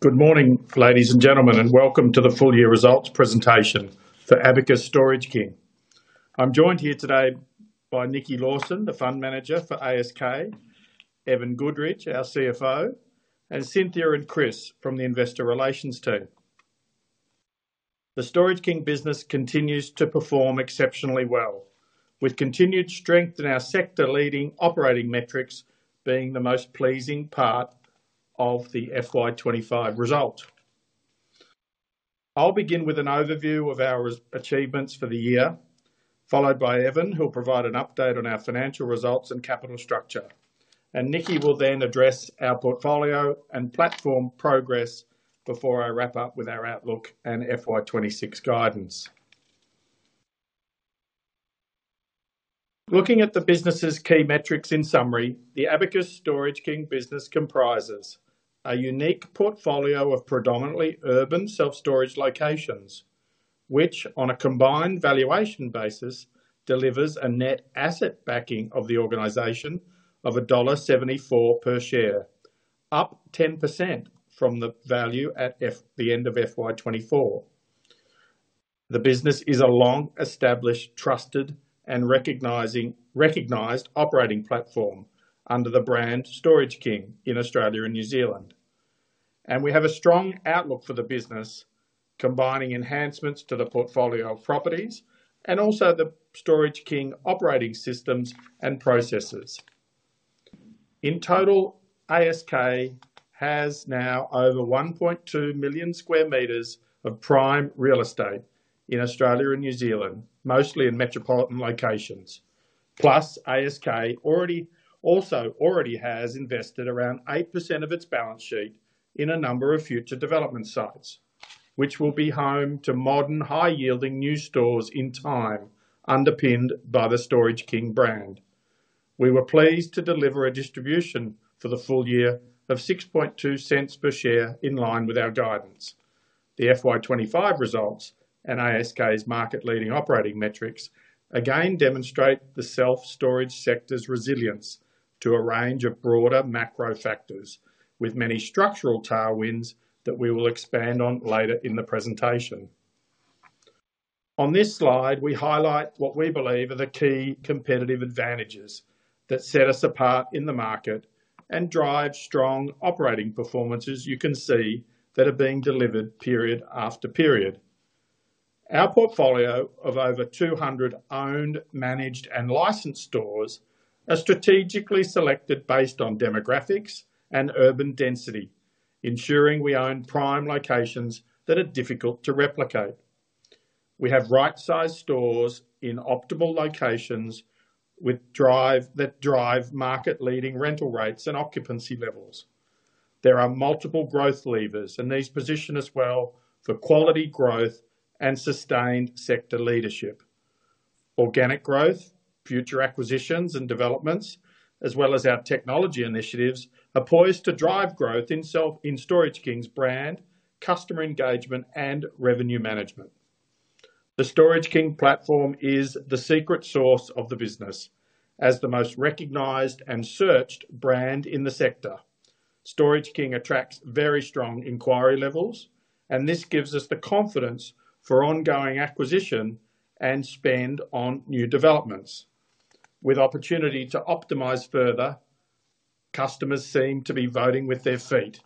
Good morning, ladies and gentlemen, and welcome to the full-year results presentation for Abacus Storage King. I'm joined here today by Nikki Lawson, the Fund Manager for ASK, Evan Goodrich, our CFO, and Cynthia and Chris from the Investor Relations team. The Storage King business continues to perform exceptionally well, with continued strength in our sector-leading operating metrics being the most pleasing part of the FY 2025 result. I'll begin with an overview of our achievements for the year, followed by Evan, who will provide an update on our financial results and capital structure, and Nikki will then address our portfolio and platform progress before I wrap up with our outlook and FY 2026 guidance. Looking at the business's key metrics in summary, the Abacus Storage King business comprises a unique portfolio of predominantly urban self-storage locations, which, on a combined valuation basis, delivers a net asset backing of the organization of $1.74 per share, up 10% from the value at the end of FY 2024. The business is a long-established, trusted, and recognized operating platform under the brand Storage King in Australia and New Zealand, and we have a strong outlook for the business, combining enhancements to the portfolio of properties and also the Storage King operating systems and processes. In total, ASK has now over 1.2 million square meters of prime real estate in Australia and New Zealand, mostly in metropolitan locations. Plus, ASK also already has invested around 8% of its balance sheet in a number of future development sites, which will be home to modern, high-yielding new stores in time, underpinned by the Storage King brand. We were pleased to deliver a distribution for the full year of $0.062 per share in line with our guidance. The FY 2025 results and ASK's market-leading operating metrics again demonstrate the self-storage sector's resilience to a range of broader macro factors, with many structural tailwinds that we will expand on later in the presentation. On this slide, we highlight what we believe are the key competitive advantages that set us apart in the market and drive strong operating performances you can see that are being delivered period after period. Our portfolio of over 200 owned, managed, and licensed stores is strategically selected based on demographics and urban density, ensuring we own prime locations that are difficult to replicate. We have right-sized stores in optimal locations that drive market-leading rental rates and occupancy levels. There are multiple growth levers, and these position us well for quality growth and sustained sector leadership. Organic growth, future acquisitions and developments, as well as our technology initiatives, are poised to drive growth in Storage King's brand, customer engagement, and revenue management. The Storage King platform is the secret sauce of the business, as the most recognized and searched brand in the sector. Storage King attracts very strong inquiry levels, and this gives us the confidence for ongoing acquisition and spend on new developments. With opportunity to optimize further, customers seem to be voting with their feet.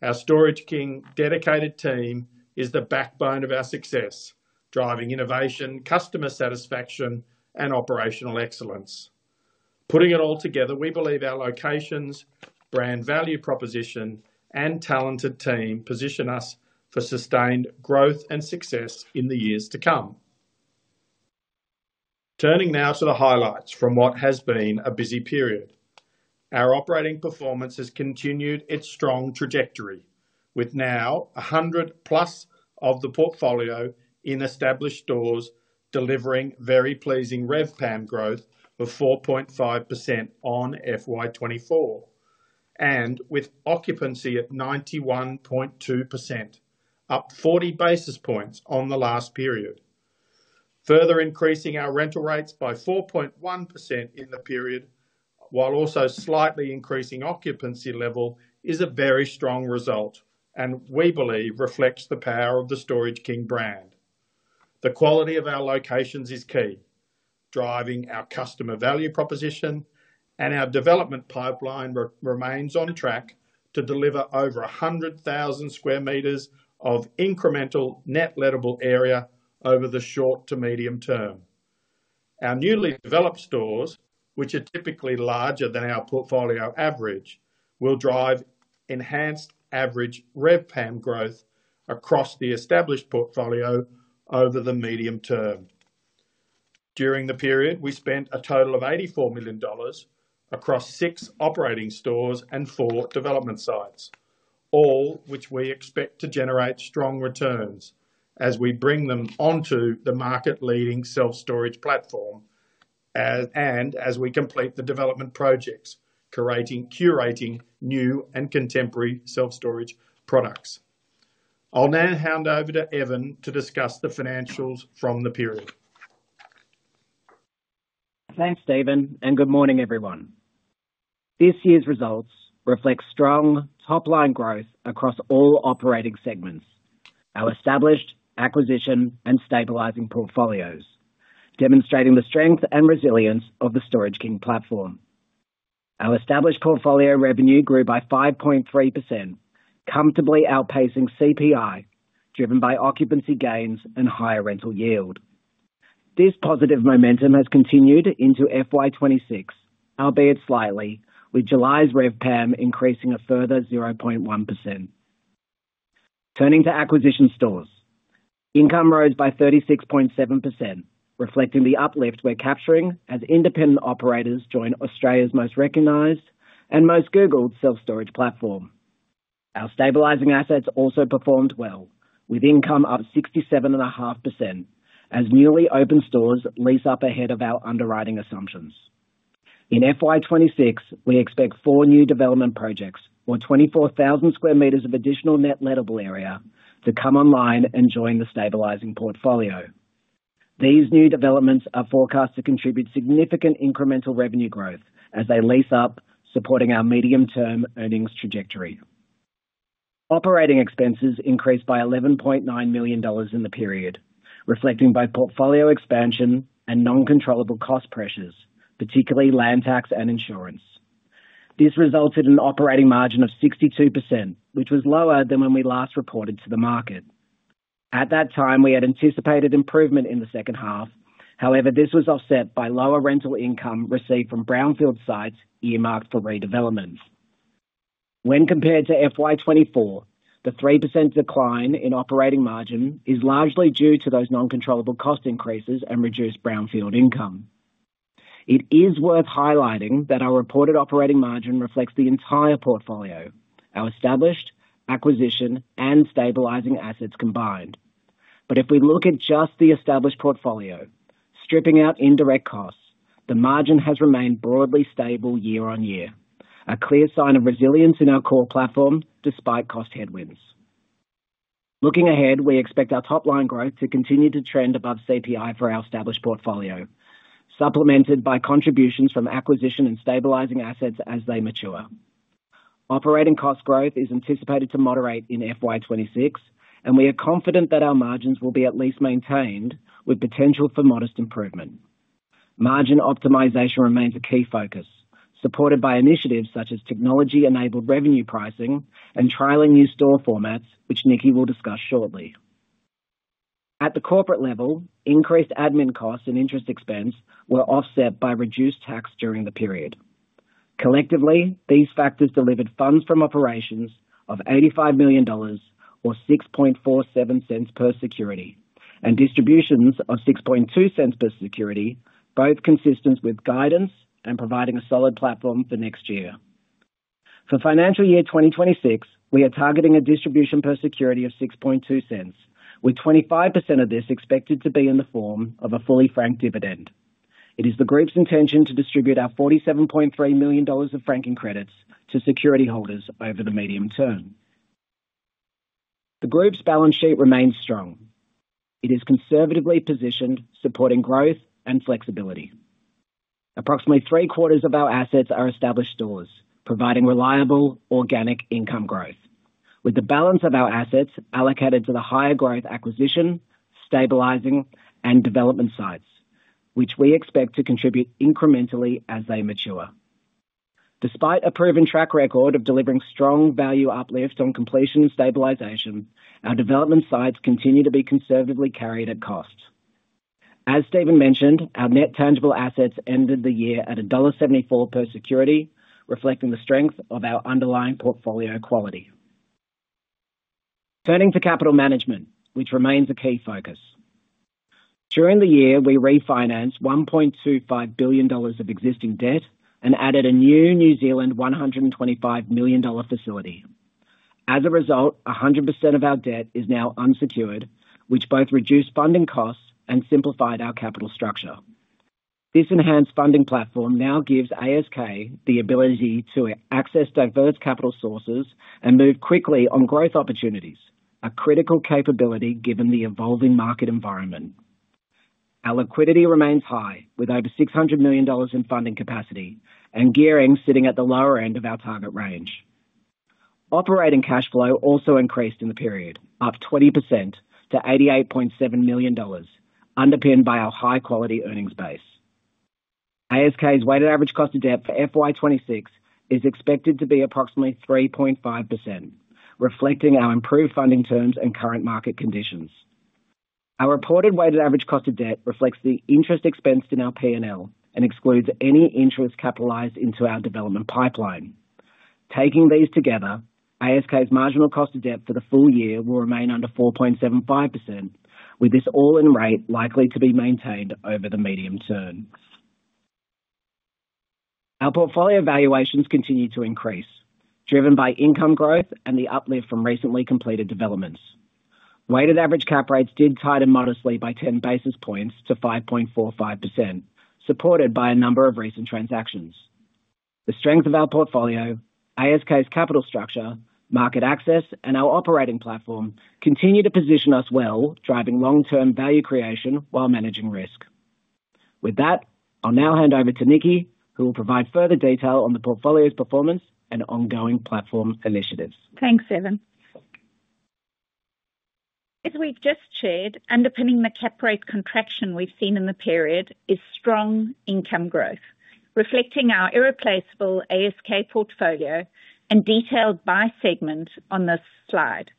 Our Storage King dedicated team is the backbone of our success, driving innovation, customer satisfaction, and operational excellence. Putting it all together, we believe our locations, brand value proposition, and talented team position us for sustained growth and success in the years to come. Turning now to the highlights from what has been a busy period. Our operating performance has continued its strong trajectory, with now 100% of the portfolio in established stores delivering very pleasing RevPAM growth of 4.5% on FY 2024, and with occupancy at 91.2%, up 40 basis points on the last period. Further increasing our rental rates by 4.1% in the period, while also slightly increasing occupancy level, is a very strong result and we believe reflects the power of the Storage King brand. The quality of our locations is key, driving our customer value proposition, and our development pipeline remains on track to deliver over 100,000 square meters of incremental net lettable area over the short to medium term. Our newly developed stores, which are typically larger than our portfolio average, will drive enhanced average RevPAM growth across the established portfolio over the medium term. During the period, we spent a total of $84 million across six operating stores and four development sites, all which we expect to generate strong returns as we bring them onto the market-leading self-storage platform and as we complete the development projects, curating new and contemporary self-storage products. I'll now hand over to Evan to discuss the financials from the period. Thanks, Steven, and good morning, everyone. This year's results reflect strong top-line growth across all operating segments, our established, acquisition, and stabilising portfolios, demonstrating the strength and resilience of the Storage King platform. Our established portfolio revenue grew by 5.3%, comfortably outpacing CPI, driven by occupancy gains and higher rental yield. This positive momentum has continued into FY 2026, albeit slightly, with July's RevPAM increasing a further 0.1%. Turning to acquisition stores, income rose by 36.7%, reflecting the uplift we're capturing as independent operators join Australia's most recognized and most Googled self-storage platform. Our stabilising assets also performed well, with income up 67.5%, as newly opened stores lease up ahead of our underwriting assumptions. In FY 2026, we expect four new development projects, or 24,000 square meters of additional net lettable area, to come online and join the stabilising portfolio. These new developments are forecast to contribute significant incremental revenue growth as they lease up, supporting our medium-term earnings trajectory. Operating expenses increased by $11.9 million in the period, reflecting both portfolio expansion and non-controllable cost pressures, particularly land tax and insurance. This resulted in an operating margin of 62%, which was lower than when we last reported to the market. At that time, we had anticipated improvement in the second half, however, this was offset by lower rental income received from brownfield sites earmarked for redevelopments. When compared to FY 2024, the 3% decline in operating margin is largely due to those non-controllable cost increases and reduced brownfield income. It is worth highlighting that our reported operating margin reflects the entire portfolio: our established, acquisition, and stabilising assets combined. If we look at just the established portfolio, stripping out indirect costs, the margin has remained broadly stable year on year, a clear sign of resilience in our core platform despite cost headwinds. Looking ahead, we expect our top-line growth to continue to trend above CPI for our established portfolio, supplemented by contributions from acquisition and stabilising assets as they mature. Operating cost growth is anticipated to moderate in FY 2026, and we are confident that our margins will be at least maintained, with potential for modest improvement. Margin optimization remains a key focus, supported by initiatives such as technology-enabled revenue pricing and trialing new store formats, which Nikki will discuss shortly. At the corporate level, increased admin costs and interest expense were offset by reduced tax during the period. Collectively, these factors delivered funds from operations of $85 million, or $0.0647 per security, and distributions of $0.062 per security, both consistent with guidance and providing a solid platform for next year. For financial year 2026, we are targeting a distribution per security of $0.062, with 25% of this expected to be in the form of a fully franked dividend. It is the Group's intention to distribute our $47.3 million of franking credits to security holders over the medium term. The Group's balance sheet remains strong. It is conservatively positioned, supporting growth and flexibility. Approximately three-quarters of our assets are established stores, providing reliable organic income growth, with the balance of our assets allocated to the higher growth acquisition, stabilizing, and development sites, which we expect to contribute incrementally as they mature. Despite a proven track record of delivering strong value uplift on completion and stabilization, our development sites continue to be conservatively carried at cost. As Steven mentioned, our net tangible assets ended the year at $1.74 per security, reflecting the strength of our underlying portfolio quality. Turning to capital management, which remains a key focus. During the year, we refinanced $1.25 billion of existing debt and added a new 125 million New Zealand dollars facility. As a result, 100% of our debt is now unsecured, which both reduced funding costs and simplified our capital structure. This enhanced funding platform now gives ASK the ability to access diverse capital sources and move quickly on growth opportunities, a critical capability given the evolving market environment. Our liquidity remains high, with over $600 million in funding capacity and gearing sitting at the lower end of our target range. Operating cash flow also increased in the period, up 20% to $88.7 million, underpinned by our high-quality earnings base. ASK's weighted average cost of debt for FY 2026 is expected to be approximately 3.5%, reflecting our improved funding terms and current market conditions. Our reported weighted average cost of debt reflects the interest expensed in our P&L and excludes any interest capitalized into our development pipeline. Taking these together, ASK's marginal cost of debt for the full year will remain under 4.75%, with this all-in rate likely to be maintained over the medium term. Our portfolio valuations continue to increase, driven by income growth and the uplift from recently completed developments. Weighted average cap rates did tighten modestly by 10 basis points to 5.45%, supported by a number of recent transactions. The strength of our portfolio, ASK's capital structure, market access, and our operating platform continue to position us well, driving long-term value creation while managing risk. With that, I'll now hand over to Nikki, who will provide further detail on the portfolio's performance and ongoing platform initiatives. Thanks, Evan. As we've just shared, underpinning the cap rate contraction we've seen in the period is strong income growth, reflecting our irreplaceable ASK portfolio and detailed by segment on this slide.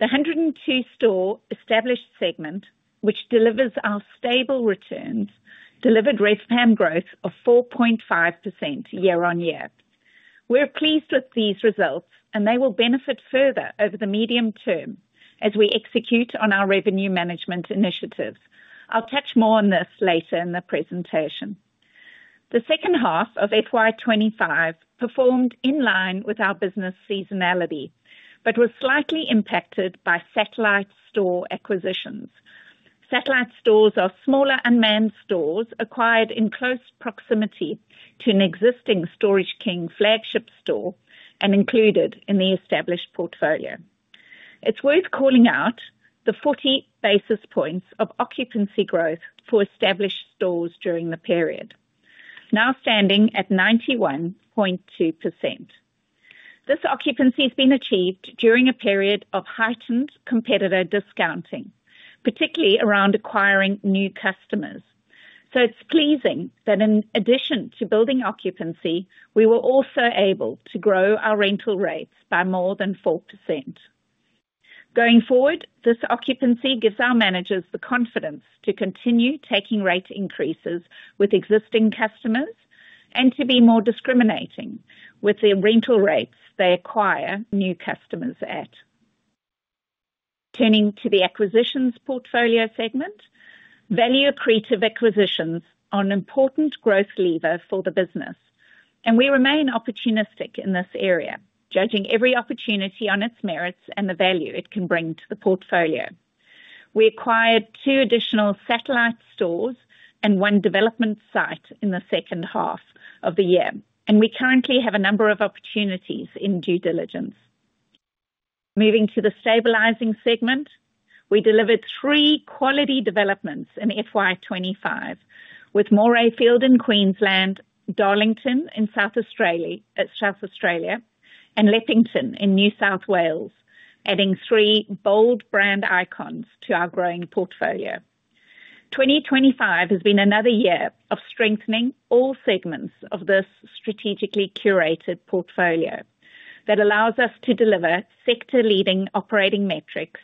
The 102 store established segment, which delivers our stable returns, delivered RevPAM growth of 4.5% year on year. We're pleased with these results, and they will benefit further over the medium term as we execute on our revenue management initiatives. I'll touch more on this later in the presentation. The second half of FY 2025 performed in line with our business seasonality but was slightly impacted by satellite store acquisitions. Satellite stores are smaller unmanned stores acquired in close proximity to an existing Storage King flagship store and included in the established portfolio. It's worth calling out the 40 basis points of occupancy growth for established stores during the period, now standing at 91.2%. This occupancy has been achieved during a period of heightened competitor discounting, particularly around acquiring new customers. It's pleasing that in addition to building occupancy, we were also able to grow our rental rates by more than 4%. Going forward, this occupancy gives our managers the confidence to continue taking rate increases with existing customers and to be more discriminating with the rental rates they acquire new customers at. Turning to the acquisitions portfolio segment, value-accretive acquisitions are an important growth lever for the business, and we remain opportunistic in this area, judging every opportunity on its merits and the value it can bring to the portfolio. We acquired two additional satellite stores and one development site in the second half of the year, and we currently have a number of opportunities in due diligence. Moving to the stabilising segment, we delivered three quality developments in FY 2025, with Morayfield in Queensland, Darlington in South Australia, and Leppington in New South Wales, adding three bold brand icons to our growing portfolio. 2025 has been another year of strengthening all segments of this strategically curated portfolio that allows us to deliver sector-leading operating metrics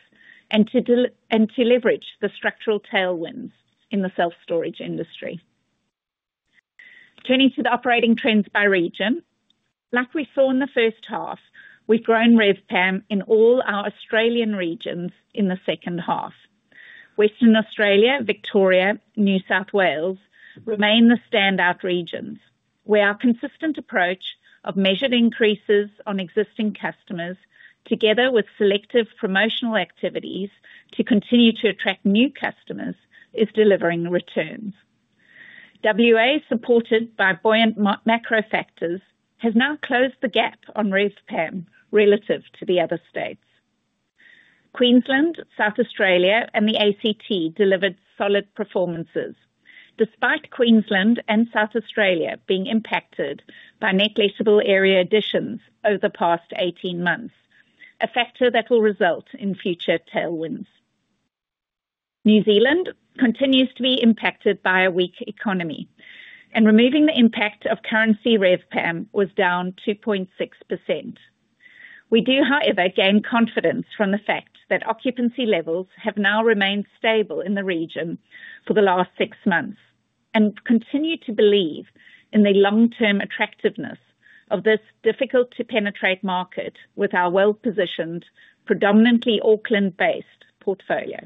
and to leverage the structural tailwinds in the self-storage industry. Turning to the operating trends by region, like we saw in the first half, we've grown RevPAM in all our Australian regions in the second half. Western Australia, Victoria, and New South Wales remain the standout regions, where our consistent approach of measured increases on existing customers, together with selective promotional activities to continue to attract new customers, is delivering returns. WA, supported by buoyant macro factors, has now closed the gap on RevPAM relative to the other states. Queensland, South Australia, and the ACT delivered solid performances, despite Queensland and South Australia being impacted by negligible area additions over the past 18 months, a factor that will result in future tailwinds. New Zealand continues to be impacted by a weak economy, and removing the impact of currency, RevPAM was down 2.6%. We do, however, gain confidence from the fact that occupancy levels have now remained stable in the region for the last six months and continue to believe in the long-term attractiveness of this difficult-to-penetrate market with our well-positioned, predominantly Auckland-based portfolio.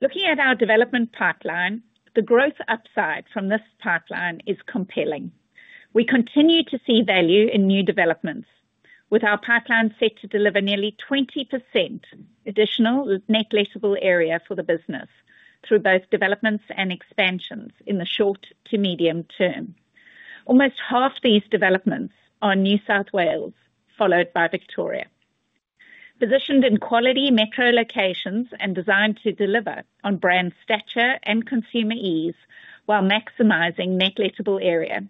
Looking at our development pipeline, the growth upside from this pipeline is compelling. We continue to see value in new developments, with our pipeline set to deliver nearly 20% additional net lettable area for the business through both developments and expansions in the short to medium term. Almost half these developments are in New South Wales, followed by Victoria. Positioned in quality metro locations and designed to deliver on brand stature and consumer ease while maximizing net lettable area,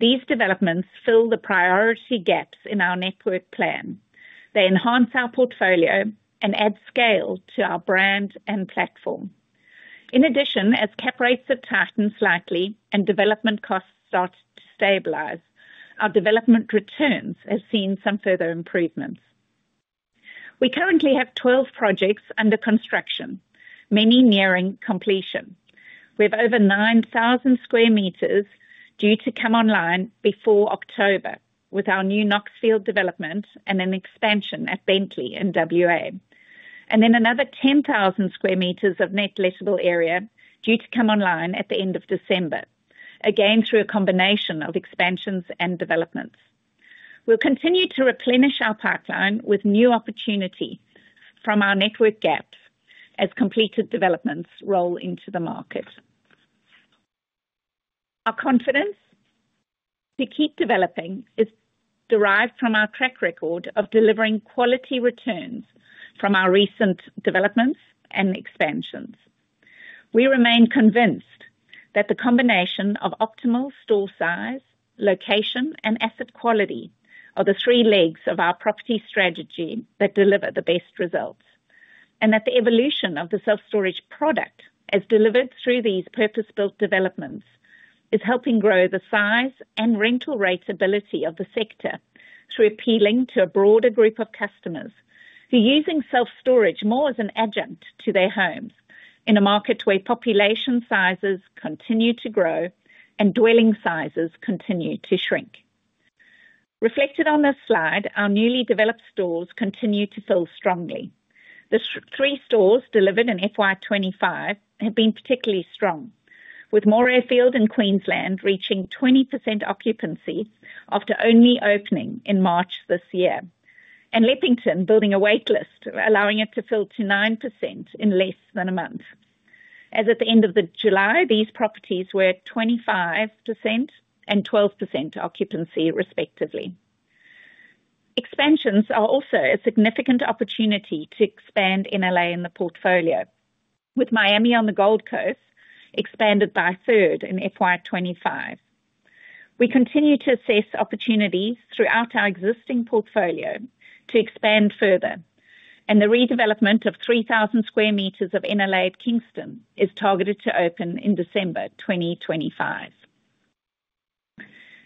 these developments fill the priority gaps in our network plan. They enhance our portfolio and add scale to our brand and platform. In addition, as cap rates have tightened slightly and development costs started to stabilize, our development returns have seen some further improvements. We currently have 12 projects under construction, many nearing completion. We have over 9,000 square meters due to come online before October with our new Knoxfield development and an expansion at Bentley in WA, and then another 10,000 square meters of net lettable area due to come online at the end of December, again through a combination of expansions and developments. We'll continue to replenish our pipeline with new opportunity from our network gaps as completed developments roll into the market. Our confidence to keep developing is derived from our track record of delivering quality returns from our recent developments and expansions. We remain convinced that the combination of optimal store size, location, and asset quality are the three legs of our property strategy that deliver the best results, and that the evolution of the self-storage product as delivered through these purpose-built developments is helping grow the size and rental rate ability of the sector through appealing to a broader group of customers who are using self-storage more as an adjunct to their homes in a market where population sizes continue to grow and dwelling sizes continue to shrink. Reflected on this slide, our newly developed stores continue to fill strongly. The three stores delivered in FY 2025 have been particularly strong, with Morayfield in Queensland reaching 20% occupancy after only opening in March this year, and Leppington building a waitlist allowing it to fill to 9% in less than a month. As at the end of July, these properties were 25% and 12% occupancy, respectively. Expansions are also a significant opportunity to expand in net lettable area in the portfolio, with Miami on the Gold Coast expanded by a third in FY 2025. We continue to assess opportunities throughout our existing portfolio to expand further, and the redevelopment of 3,000 square meters of net lettable area at Kingston is targeted to open in December 2025.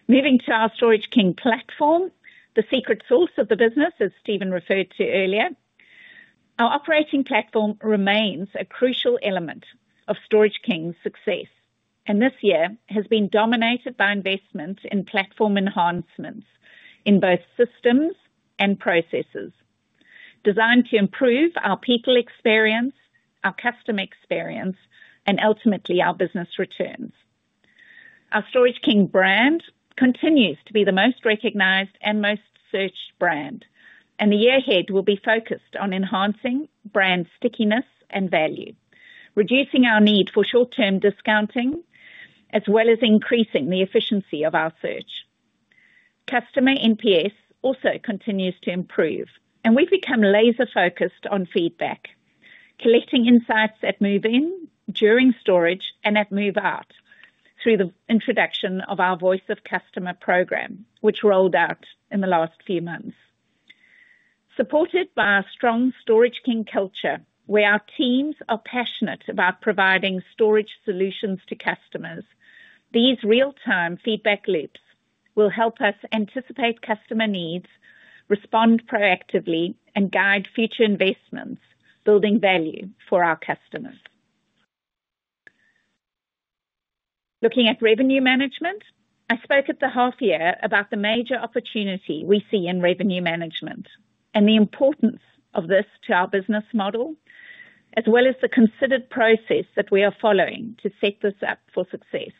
Moving to our Storage King platform, the secret sauce of the business, as Steven referred to earlier, our operating platform remains a crucial element of Storage King's success, and this year has been dominated by investment in platform enhancements in both systems and processes, designed to improve our people experience, our customer experience, and ultimately our business returns. Our Storage King brand continues to be the most recognized and most searched brand, and the year ahead will be focused on enhancing brand stickiness and value, reducing our need for short-term discounting, as well as increasing the efficiency of our search. Customer NPS also continues to improve, and we've become laser-focused on feedback, collecting insights at move-in, during storage, and at move-out through the introduction of our Voice of Customer program, which rolled out in the last few months. Supported by our strong Storage King culture, where our teams are passionate about providing storage solutions to customers, these real-time feedback loops will help us anticipate customer needs, respond proactively, and guide future investments, building value for our customers. Looking at revenue management, I spoke at the half year about the major opportunity we see in revenue management and the importance of this to our business model, as well as the considered process that we are following to set this up for success.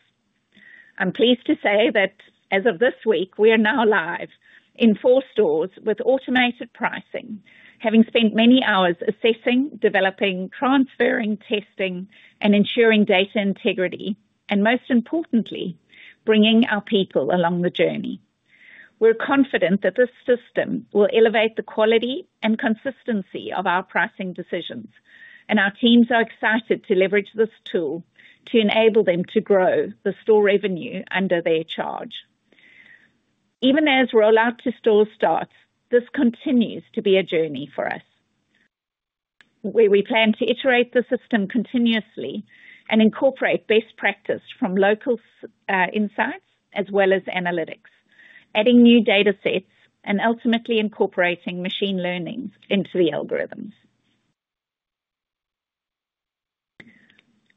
I'm pleased to say that as of this week, we are now live in four stores with automated pricing, having spent many hours assessing, developing, transferring, testing, and ensuring data integrity, and most importantly, bringing our people along the journey. We're confident that this system will elevate the quality and consistency of our pricing decisions, and our teams are excited to leverage this tool to enable them to grow the store revenue under their charge. Even as rollout to store starts, this continues to be a journey for us, where we plan to iterate the system continuously and incorporate best practice from local insights as well as analytics, adding new datasets and ultimately incorporating machine learning into the algorithms.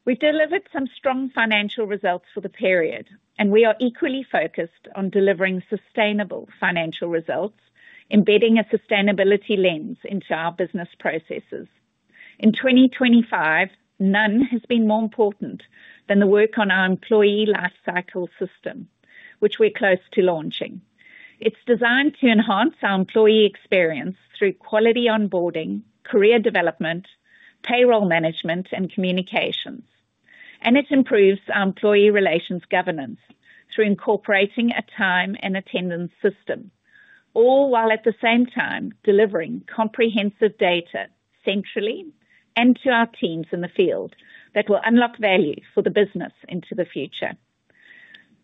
We've delivered some strong financial results for the period, and we are equally focused on delivering sustainable financial results, embedding a sustainability lens into our business processes. In 2025, none has been more important than the work on our employee lifecycle system, which we're close to launching. It's designed to enhance our employee experience through quality onboarding, career development, payroll management, and communications, and it improves our employee relations governance through incorporating a time and attendance system, all while at the same time delivering comprehensive data centrally and to our teams in the field that will unlock value for the business into the future.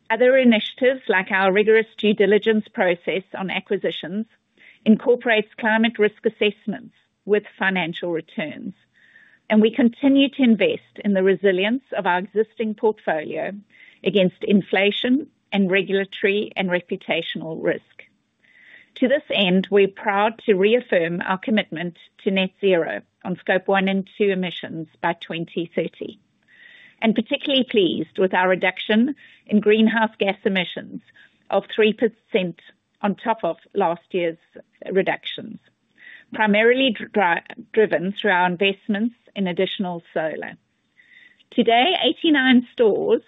Other initiatives, like our rigorous due diligence process on acquisitions, incorporate climate risk assessments with financial returns, and we continue to invest in the resilience of our existing portfolio against inflation and regulatory and reputational risk. To this end, we're proud to reaffirm our commitment to net zero on Scope 1 and 2 emissions by 2030, and particularly pleased with our reduction in greenhouse gas emissions of 3% on top of last year's reductions, primarily driven through our investments in additional solar. Today, 89 stores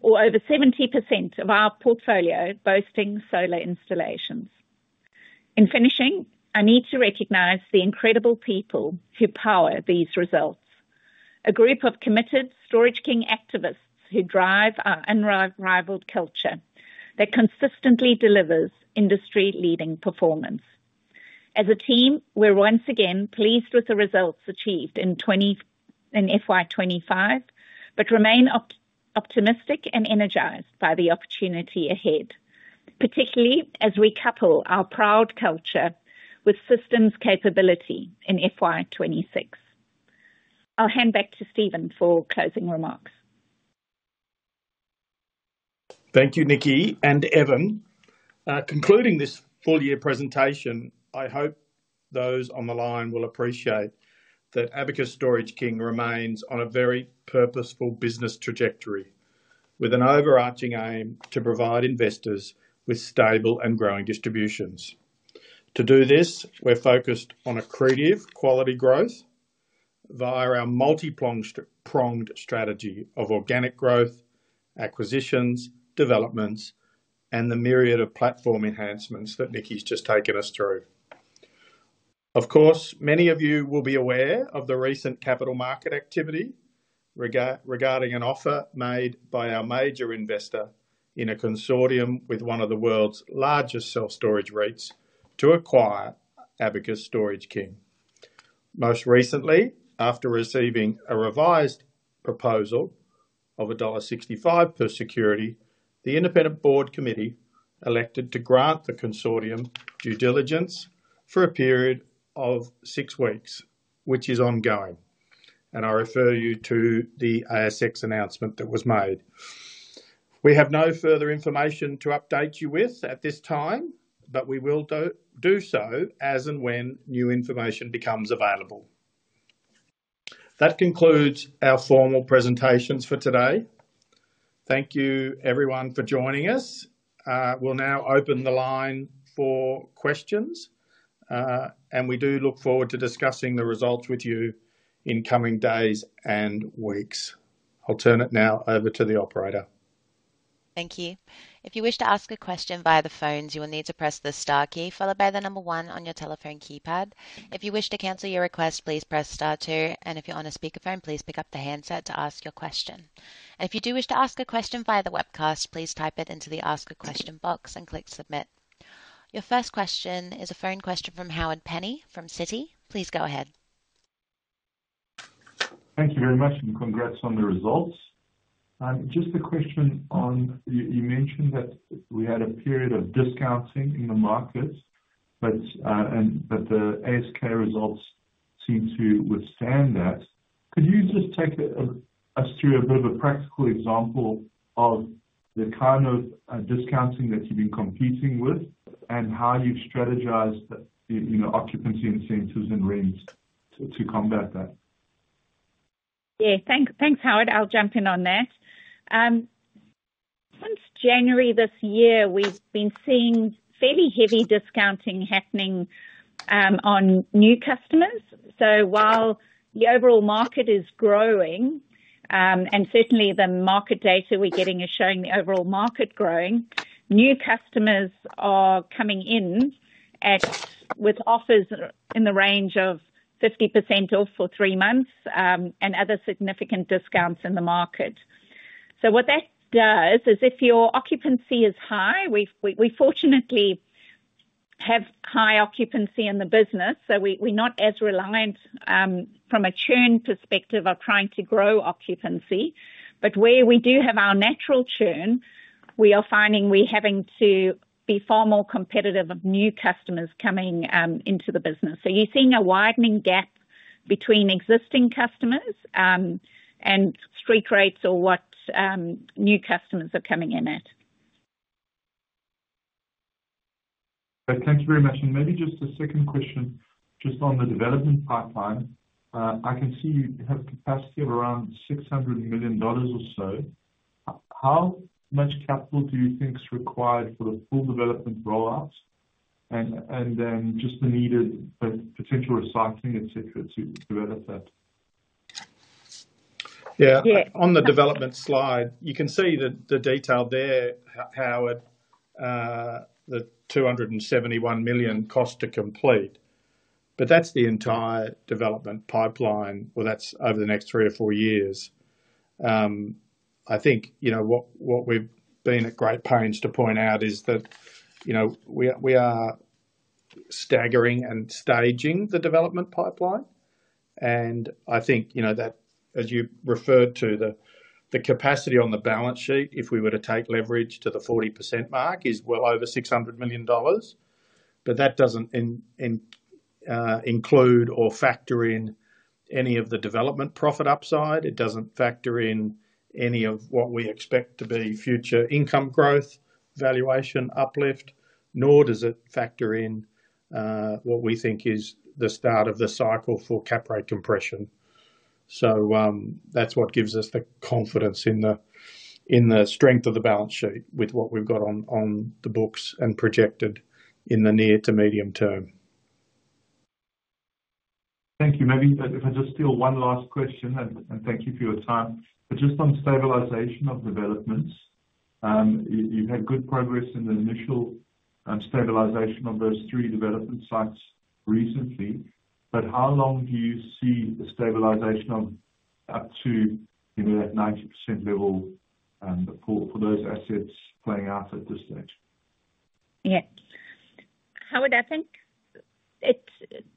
or over 70% of our portfolio boasting solar installations. In finishing, I need to recognize the incredible people who power these results, a group of committed Storage King activists who drive our unrivaled culture that consistently delivers industry-leading performance. As a team, we're once again pleased with the results achieved in FY 2025, yet remain optimistic and energized by the opportunity ahead, particularly as we couple our proud culture with systems capability in FY 2026. I'll hand back to Steven for closing remarks. Thank you, Nikki and Evan. Concluding this full-year presentation, I hope those on the line will appreciate that Abacus Storage King remains on a very purposeful business trajectory with an overarching aim to provide investors with stable and growing distributions. To do this, we're focused on accretive quality growth via our multi-pronged strategy of organic growth, acquisitions, developments, and the myriad of platform enhancements that Nikk's just taken us through. Of course, many of you will be aware of the recent capital market activity regarding an offer made by our major investor in a consortium with one of the world's largest self-storage REITs to acquire Abacus Storage King. Most recently, after receiving a revised proposal of $1.65 per security, the Independent Board Committee elected to grant the consortium due diligence for a period of six weeks, which is ongoing, and I refer you to the ASX announcement that was made. We have no further information to update you with at this time, but we will do so as and when new information becomes available. That concludes our formal presentations for today. Thank you, everyone, for joining us. We'll now open the line for questions, and we do look forward to discussing the results with you in coming days and weeks. I'll turn it now over to the operator. Thank you. If you wish to ask a question via the phones, you will need to press the star key followed by the number one on your telephone keypad. If you wish to cancel your request, please press star two, and if you're on a speakerphone, please pick up the handset to ask your question. If you do wish to ask a question via the webcast, please type it into the ask a question box and click submit. Your first question is a phone question from Howard Penny from Citi. Please go ahead. Thank you very much, and congrats on the results. Just a question on, you mentioned that we had a period of discounting in the market, but the Abacus Storage King results seem to withstand that. Could you just take us through a bit of a practical example of the kind of discounting that you've been competing with and how you've strategized the occupancy in centers and rooms to combat that? Yeah, thanks, Howard. I'll jump in on that. Since January this year, we've been seeing fairly heavy discounting happening on new customers. While the overall market is growing, and certainly the market data we're getting is showing the overall market growing, new customers are coming in with offers in the range of 50% off for three months and other significant discounts in the market. What that does is if your occupancy is high, we fortunately have high occupancy in the business, so we're not as reliant from a churn perspective of trying to grow occupancy, but where we do have our natural churn, we are finding we're having to be far more competitive of new customers coming into the business. You're seeing a widening gap between existing customers and street rates or what new customers are coming in at. Thank you very much. Maybe just a second question, just on the development pipeline. I can see you have a capacity of around $600 million or so. How much capital do you think is required for the full development rollout, and then just the needed potential recycling, etc., to develop that? Yeah, on the development slide, you can see the detail there, Howard, the $271 million cost to complete, but that's the entire development pipeline or that's over the next three or four years. I think what we've been at great pains to point out is that we are staggering and staging the development pipeline, and I think that, as you referred to, the capacity on the balance sheet, if we were to take leverage to the 40% mark, is well over $600 million. That doesn't include or factor in any of the development profit upside. It doesn't factor in any of what we expect to be future income growth, valuation uplift, nor does it factor in what we think is the start of the cycle for cap rate compression. That's what gives us the confidence in the strength of the balance sheet with what we've got on the books and projected in the near to medium term. Thank you. Maybe if I just steal one last question, and thank you for your time. Just on stabilisation of developments, you've had good progress in the initial stabilisation of those three development sites recently. How long do you see the stabilisation up to, you know, that 90% level for those assets playing out at this stage? Yeah, Howard, I think it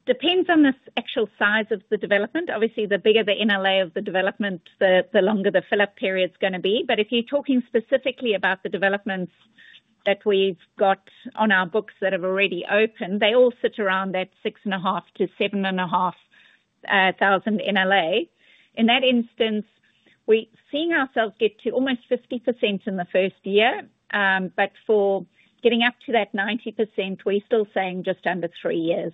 depends on the actual size of the development. Obviously, the bigger the net lettable area of the development, the longer the fill-up period's going to be. If you're talking specifically about the developments that we've got on our books that have already opened, they all sit around that 6,500 - 7,500 in LA. In that instance, we're seeing ourselves get to almost 50% in the first year. For getting up to that 90%, we're still saying just under three years.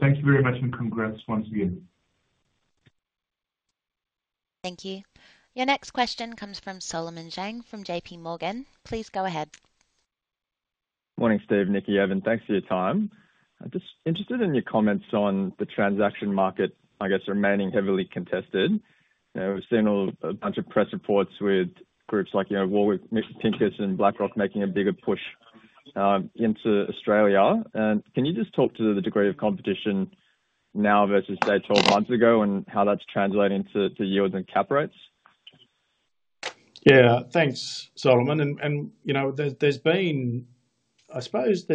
Thank you very much, and congrats once again. Thank you. Your next question comes from Solomon Zhang from J.P. Morgan. Please go ahead. Morning, Stephen, Nikki, Evan, thanks for your time. I'm just interested in your comments on the transaction market, I guess, remaining heavily contested. We've seen a bunch of press reports with groups like, you know, Warwick, Newton-Steamsters, and BlackRock making a bigger push into Australia. Can you just talk to the degree of competition now versus say 12 months ago and how that's translating to yields and cap rates? Yeah, thanks, Solomon. There's been, I suppose,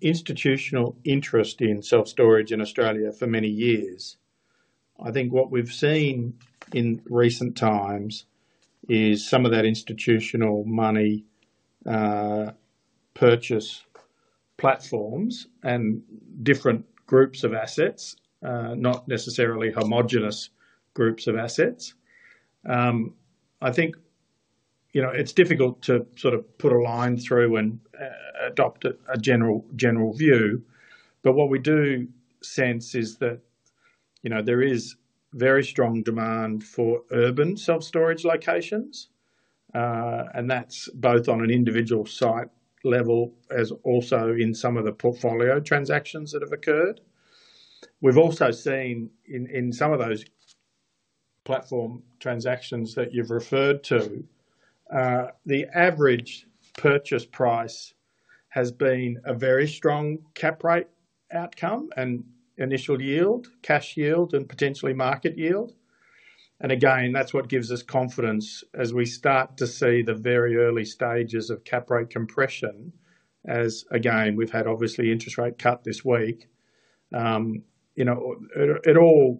institutional interest in self-storage in Australia for many years. I think what we've seen in recent times is some of that institutional money purchase platforms and different groups of assets, not necessarily homogenous groups of assets. I think it's difficult to sort of put a line through and adopt a general view, but what we do sense is that there is very strong demand for urban self-storage locations, and that's both on an individual site level as also in some of the portfolio transactions that have occurred. We've also seen in some of those platform transactions that you've referred to, the average purchase price has been a very strong cap rate outcome and initial yield, cash yield, and potentially market yield. That gives us confidence as we start to see the very early stages of cap rate compression, as we've had obviously an interest rate cut this week. It all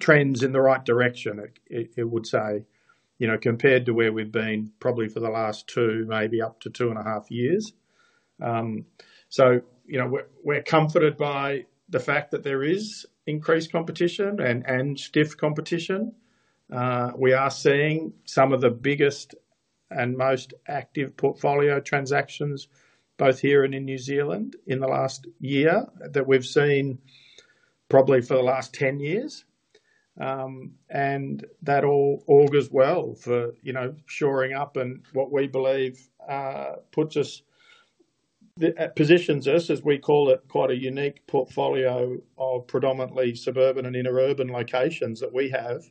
trends in the right direction, compared to where we've been probably for the last two, maybe up to two and a half years. We're comforted by the fact that there is increased competition and stiff competition. We are seeing some of the biggest and most active portfolio transactions, both here and in New Zealand, in the last year that we've seen probably for the last 10 years, and that all goes well for shoring up and what we believe puts us, positions us, as we call it, quite a unique portfolio of predominantly suburban and interurban locations that we have,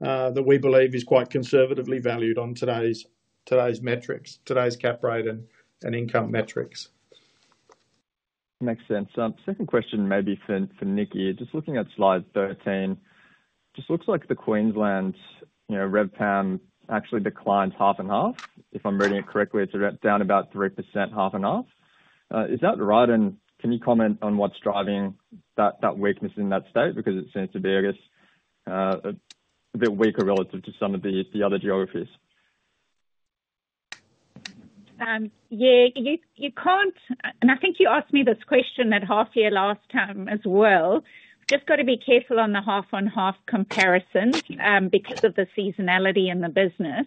that we believe is quite conservatively valued on today's metrics, today's cap rate and income metrics. Makes sense. Second question, maybe for Nikki, just looking at slide 13, it just looks like the Queensland, you know, RevPAM actually declines half and half. If I'm reading it correctly, it's down about 3% half and half. Is that right? Can you comment on what's driving that weakness in that state? It seems to be, I guess, a bit weaker relative to some of the other geographies. Yeah, you can't, and I think you asked me this question at half year last time as well. Just got to be careful on the half on half comparisons because of the seasonality in the business.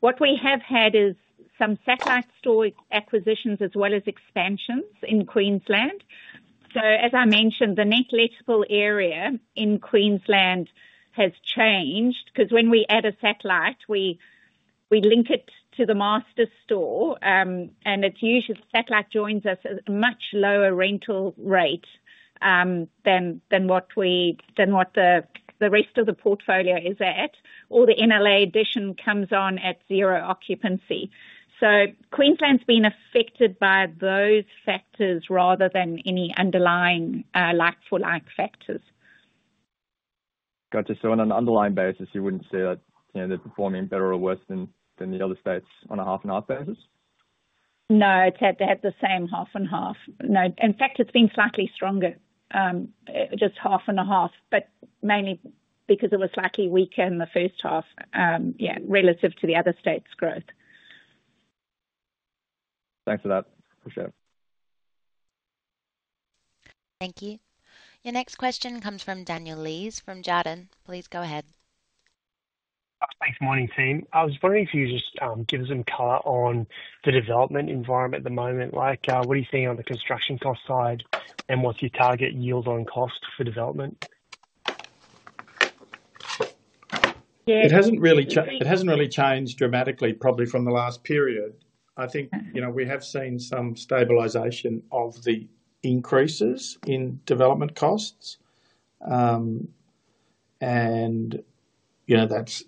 What we have had is some satellite store acquisitions as well as expansions in Queensland. As I mentioned, the net lettable area in Queensland has changed because when we add a satellite, we link it to the master store, and it's usually the satellite joins us at a much lower rental rate than what the rest of the portfolio is at, or the net lettable area addition comes on at zero occupancy. Queensland's been affected by those factors rather than any underlying like-for-like factors. On an underlying basis, you wouldn't say that they're performing better or worse than the other states on a half and half basis? No, they had the same half and half. In fact, it's been slightly stronger, just half and half, mainly because it was slightly weaker in the first half, relative to the other states' growth. Thanks for that. Appreciate it. Thank you. Your next question comes from Daniel Lees from Jarden. Please go ahead. Thanks, morning team. I was wondering if you could just give us some color on the development environment at the moment. What are you seeing on the construction cost side, and what's your target yield on cost for development? Yeah, it hasn't really changed dramatically, probably from the last period. I think we have seen some stabilisation of the increases in development costs, and as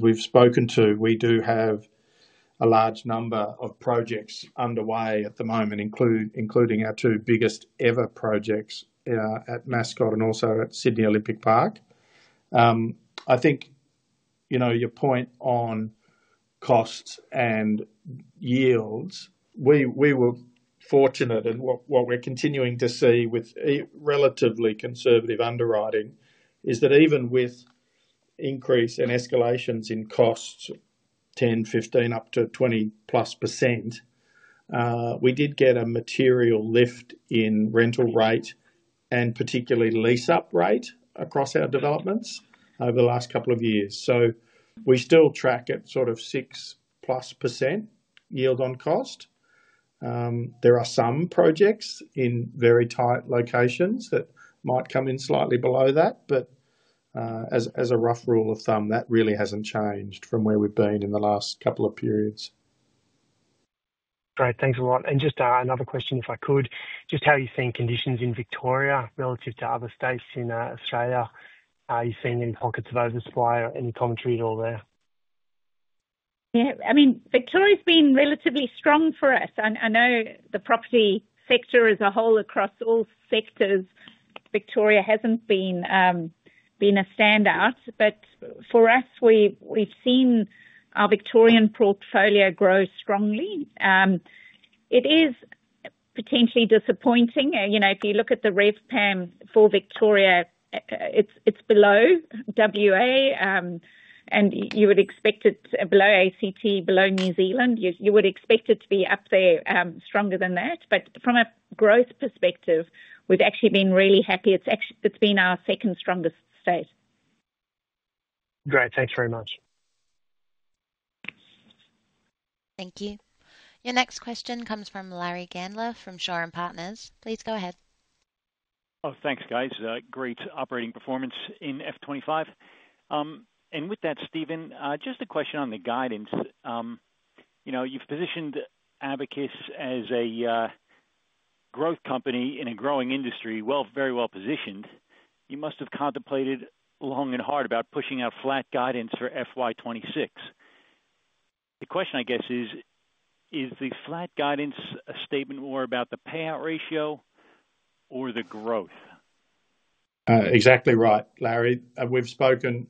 we've spoken to, we do have a large number of projects underway at the moment, including our two biggest ever projects at Mascot and also at Sydney Olympic Park. I think your point on costs and yields, we were fortunate, and what we're continuing to see with relatively conservative underwriting is that even with increase and escalations in costs, 10%, 15%, up to 20% plus, we did get a material lift in rental rate and particularly lease-up rate across our developments over the last couple of years. We still track at sort of 6% plus yield on cost. There are some projects in very tight locations that might come in slightly below that, but as a rough rule of thumb, that really hasn't changed from where we've been in the last couple of periods. Great, thanks a lot. Just another question, if I could, just how you're seeing conditions in Victoria relative to other states in Australia. Are you seeing any pockets of oversupply or any commentary at all there? Yeah, I mean, Victoria's been relatively strong for us. I know the property sector as a whole across all sectors, Victoria hasn't been a standout, but for us, we've seen our Victorian portfolio grow strongly. It is potentially disappointing. If you look at the RevPAM for Victoria, it's below WA, and you would expect it below ACT, below New Zealand. You would expect it to be up there stronger than that, but from a growth perspective, we've actually been really happy. It's been our second strongest state. Great, thanks very much. Thank you. Your next question comes from Larry Gandler from Shaw and Partners Limited. Please go ahead. Thanks, guys. Great operating performance in FY 2025. With that, Steven, just a question on the guidance. You know, you've positioned Abacus Storage King as a growth company in a growing industry, very well positioned. You must have contemplated long and hard about pushing out flat guidance for FY 2026. The question, I guess, is, is the flat guidance a statement more about the payout ratio or the growth? Exactly right, Larry. We've spoken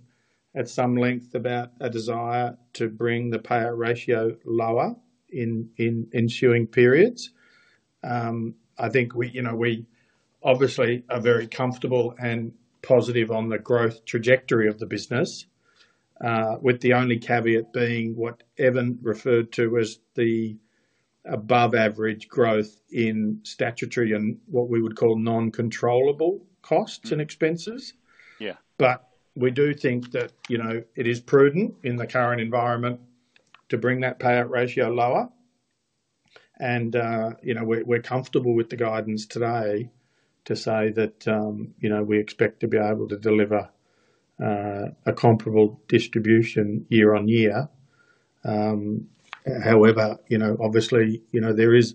at some length about a desire to bring the payout ratio lower in ensuing periods. I think we are very comfortable and positive on the growth trajectory of the business, with the only caveat being what Evan referred to as the above-average growth in statutory and what we would call non-controllable costs and expenses. We do think that it is prudent in the current environment to bring that payout ratio lower. We're comfortable with the guidance today to say that we expect to be able to deliver a comparable distribution year on year. However, there is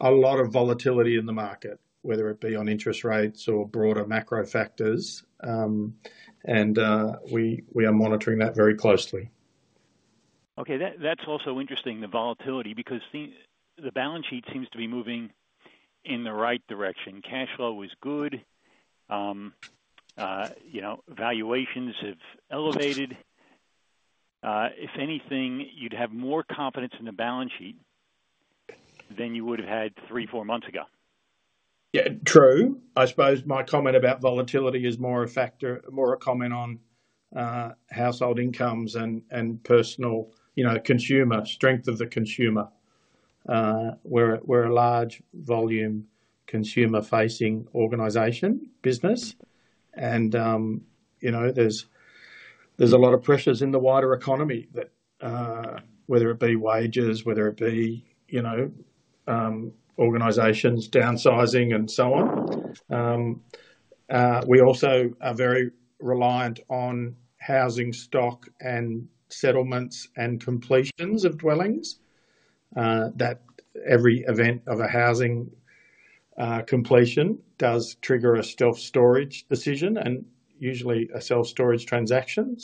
a lot of volatility in the market, whether it be on interest rates or broader macro factors, and we are monitoring that very closely. Okay, that's also interesting, the volatility, because the balance sheet seems to be moving in the right direction. Cash flow is good. You know, valuations have elevated. If anything, you'd have more confidence in the balance sheet than you would have had three, four months ago. Yeah, true. I suppose my comment about volatility is more a factor, more a comment on household incomes and personal, you know, consumer strength of the consumer. We're a large volume consumer-facing organization, business, and, you know, there's a lot of pressures in the wider economy that, whether it be wages, whether it be, you know, organizations downsizing and so on. We also are very reliant on housing stock and settlements and completions of dwellings. Every event of a housing completion does trigger a self-storage decision and usually a self-storage transaction.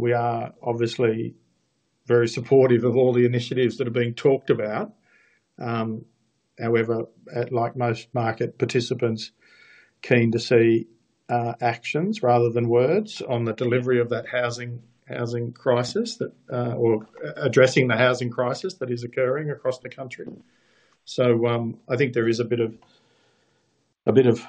We are obviously very supportive of all the initiatives that are being talked about. However, like most market participants, keen to see actions rather than words on the delivery of that housing crisis or addressing the housing crisis that is occurring across the country. I think there is a bit of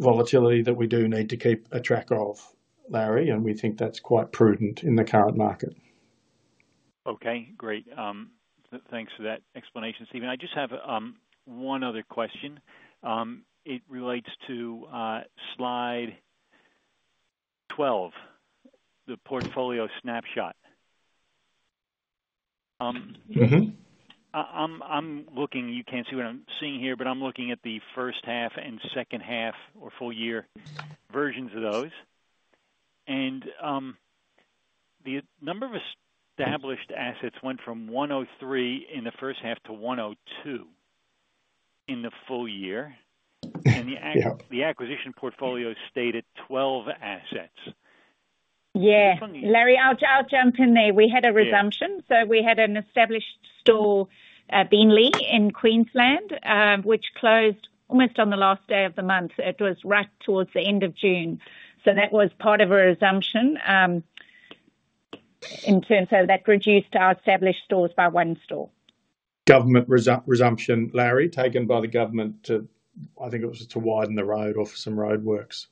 volatility that we do need to keep a track of, Larry, and we think that's quite prudent in the current market. Okay, great. Thanks for that explanation, Stephen. I just have one other question. It relates to slide 12, the portfolio snapshot. I'm looking, you can't see what I'm seeing here, but I'm looking at the first half and second half or full year versions of those, and the number of established assets went from 103 in the first half to 102 in the full year, and the acquisition portfolio stayed at 12 assets. Yeah, Larry, I'll jump in there. We had a resumption, so we had an established store, Beenleigh in Queensland, which closed almost on the last day of the month. It was right towards the end of June, so that was part of a resumption in terms of that reduced our established stores by one store. Government resumption, Larry, taken by the government to, I think it was to widen the road for some roadworks.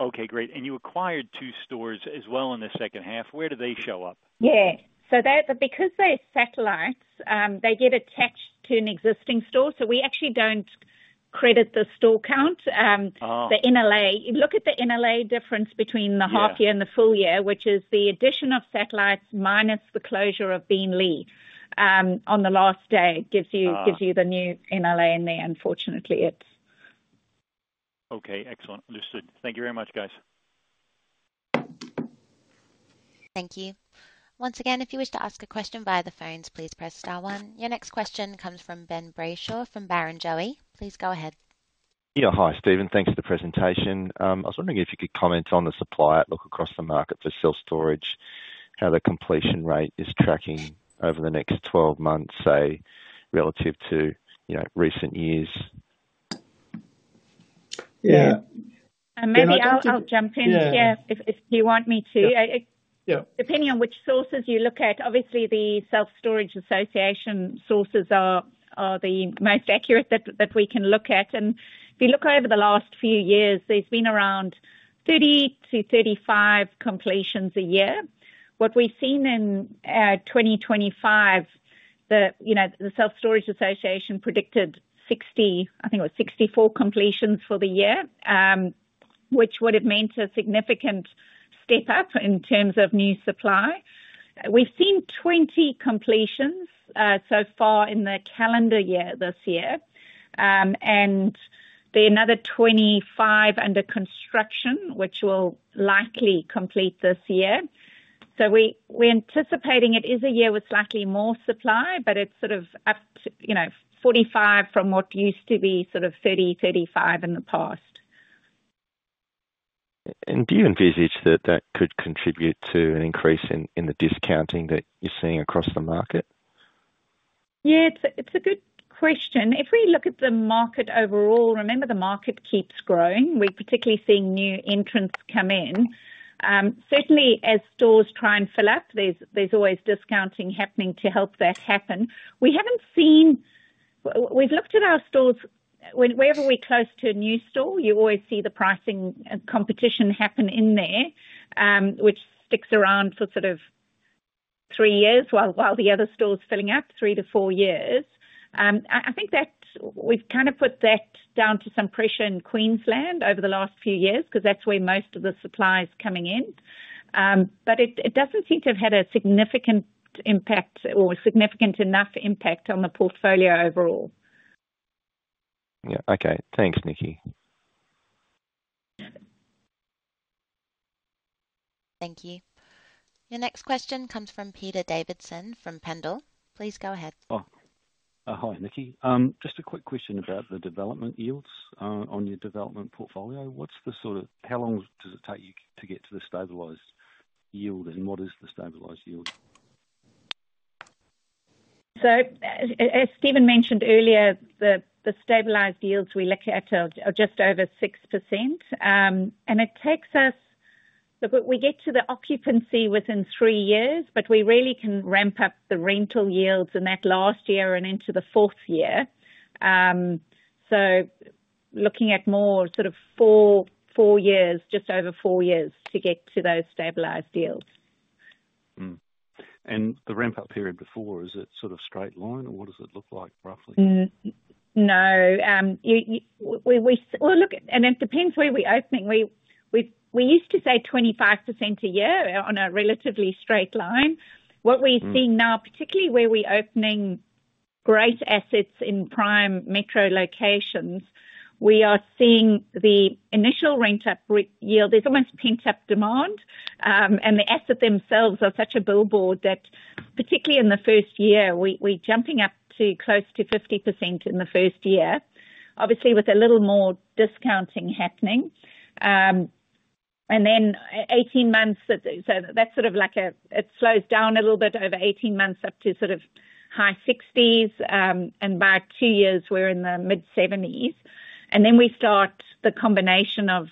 Okay, great. You acquired two stores as well in the second half. Where do they show up? Yeah, because they're satellites, they get attached to an existing store, so we actually don't credit the store count. The NLA, you look at the NLA difference between the half year and the full year, which is the addition of satellites minus the closure of Beanlea on the last day, gives you the new NLA in there, unfortunately. Okay, excellent. Understood. Thank you very much, guys. Thank you. Once again, if you wish to ask a question via the phones, please press star one. Your next question comes from Ben Brayshaw from Barrenjoey Capital Partners Group Pty Limited. Please go ahead. Hi, Stephen. Thanks for the presentation. I was wondering if you could comment on the supply outlook across the market for self-storage, how the completion rate is tracking over the next 12 months, say, relative to recent years. Yeah, maybe I'll jump in here if you want me to. Depending on which sources you look at, obviously, the Self-Storage Association sources are the most accurate that we can look at. If you look over the last few years, there's been around 30 to 35 completions a year. What we've seen in 2025, the Self-Storage Association predicted 64 completions for the year, which would have meant a significant step up in terms of new supply. We've seen 20 completions so far in the calendar year this year, and there are another 25 under construction, which will likely complete this year. We're anticipating it is a year with slightly more supply, but it's sort of up to, you know, 45 from what used to be sort of 30, 35 in the past. Do you envisage that that could contribute to an increase in the discounting that you're seeing across the market? Yeah, it's a good question. If we look at the market overall, remember the market keeps growing. We're particularly seeing new entrants come in. Certainly, as stores try and fill up, there's always discounting happening to help that happen. We haven't seen, we've looked at our stores, whenever we're close to a new store, you always see the pricing competition happen in there, which sticks around for sort of three years while the other store's filling up, three to four years. I think that we've kind of put that down to some pressure in Queensland over the last few years because that's where most of the supply is coming in. It doesn't seem to have had a significant impact or significant enough impact on the portfolio overall. Yeah, okay. Thanks, Nikki. Thank you. Your next question comes from Pete Davidson from Pendal. Please go ahead. Hi, Nikki. Just a quick question about the development yields on your development portfolio. What's the sort of, how long does it take you to get to the stabilized yield, and what is the stabilized yield? As Steven mentioned earlier, the stabilized yields we look at are just over 6%, and it takes us, we get to the occupancy within three years, but we really can ramp up the rental yields in that last year and into the fourth year. Looking at more sort of four years, just over four years to get to those stabilized yields. Is the ramp-up period before, is it sort of straight line, or what does it look like roughly? Look, it depends where we're opening. We used to say 25% a year on a relatively straight line. What we're seeing now, particularly where we're opening great assets in prime metro locations, we are seeing the initial rent-up yield, there's almost pent-up demand, and the assets themselves are such a billboard that, particularly in the first year, we're jumping up to close to 50% in the first year, obviously with a little more discounting happening. After 18 months, it slows down a little bit over 18 months up to sort of high 60%, and by two years, we're in the mid-70%. We start the combination of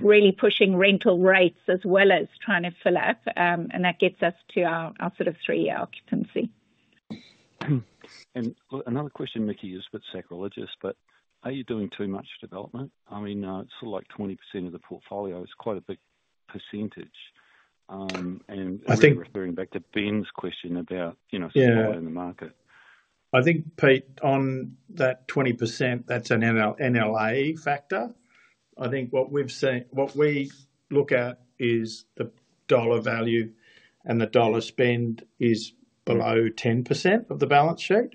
really pushing rental rates as well as trying to fill up, and that gets us to our sort of three-year occupancy. Another question, Nikki, you're a bit psychologist, but are you doing too much development? I mean, it's sort of like 20% of the portfolio, it's quite a big percentage. I think referring back to Ben's question about supply in the market. I think, Pete, on that 20%, that's an NLA factor. What we've seen, what we look at is the dollar value and the dollar spend is below 10% of the balance sheet.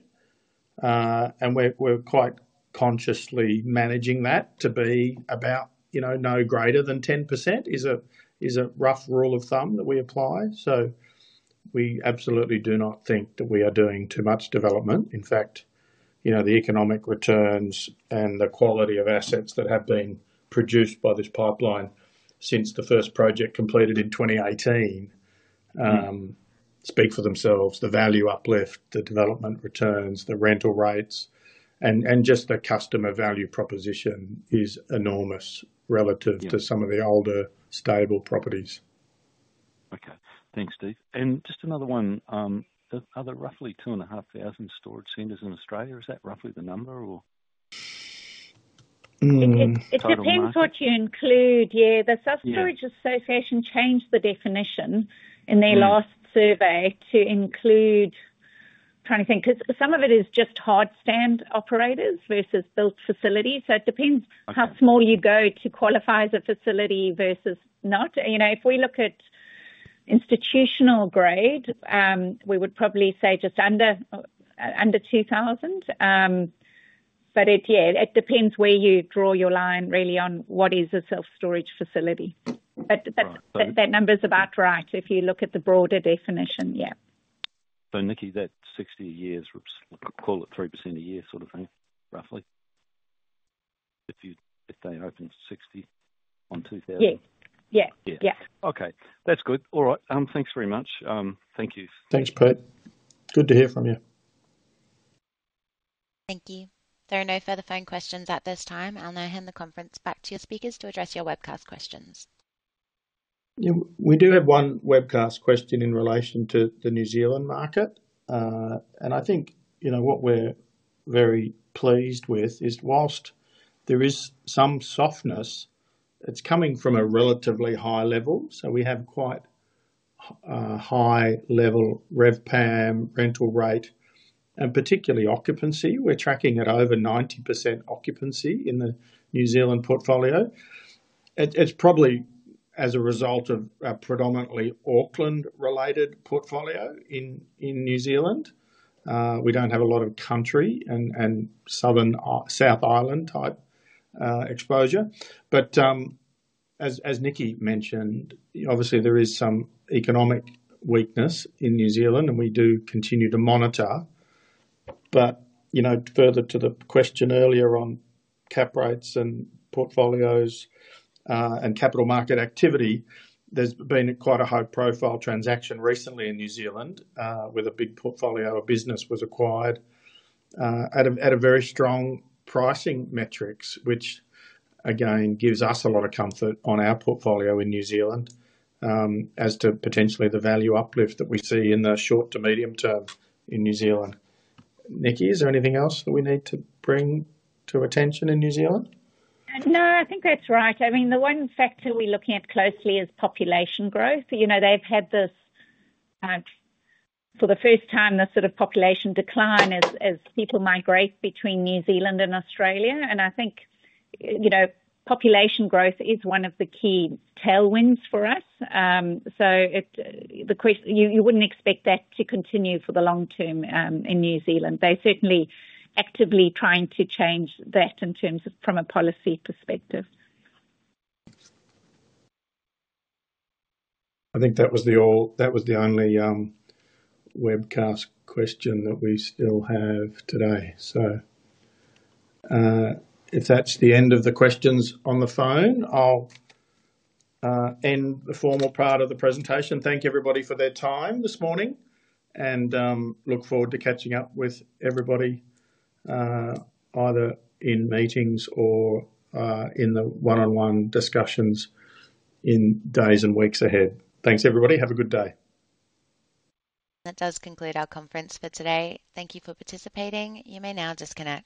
We're quite consciously managing that to be about, you know, no greater than 10% is a rough rule of thumb that we apply. We absolutely do not think that we are doing too much development. In fact, the economic returns and the quality of assets that have been produced by this pipeline since the first project completed in 2018 speak for themselves. The value uplift, the development returns, the rental rates, and just the customer value proposition is enormous relative to some of the older stable properties. Okay, thanks, Steve. Just another one, are there roughly 2,500 storage centers in Australia, or is that roughly the number? It depends what you include. The Self-Storage Association changed the definition in their last survey to include, I'm trying to think, because some of it is just hardstand operators versus built facilities. It depends how small you go to qualify as a facility versus not. If we look at institutional grade, we would probably say just under 2,000. It depends where you draw your line really on what is a self-storage facility. That number's about right if you look at the broader definition, yeah. Nikki, that 60 a year, let's call it [3%] a year, roughly? If they opened 60 on 2000? Yeah, yeah. Okay, that's good. All right, thanks very much. Thank you. Thanks, Pete. Good to hear from you. Thank you. There are no further phone questions at this time. I'll now hand the conference back to your speakers to address your webcast questions. We do have one webcast question in relation to the New Zealand market. I think what we're very pleased with is whilst there is some softness, it's coming from a relatively high level. We have quite a high-level RevPAM rental rate and particularly occupancy. We're tracking at over 90% occupancy in the New Zealand portfolio. It's probably as a result of a predominantly Auckland-related portfolio in New Zealand. We don't have a lot of country and Southern South Island type exposure. As Nikki mentioned, obviously there is some economic weakness in New Zealand, and we do continue to monitor. Further to the question earlier on cap rates and portfolios and capital market activity, there's been quite a high-profile transaction recently in New Zealand with a big portfolio of business that was acquired at very strong pricing metrics, which again gives us a lot of comfort on our portfolio in New Zealand as to potentially the value uplift that we see in the short to medium term in New Zealand. Nikki, is there anything else that we need to bring to attention in New Zealand? No, I think that's right. I mean, the one factor we're looking at closely is population growth. They've had this, for the first time, the sort of population decline as people migrate between New Zealand and Australia. I think population growth is one of the key tailwinds for us. You wouldn't expect that to continue for the long term in New Zealand. They're certainly actively trying to change that from a policy perspective. I think that was the only webcast question that we still have today. If that's the end of the questions on the phone, I'll end the formal part of the presentation. Thank everybody for their time this morning and look forward to catching up with everybody either in meetings or in the one-on-one discussions in days and weeks ahead. Thanks, everybody. Have a good day. That does conclude our conference for today. Thank you for participating. You may now disconnect.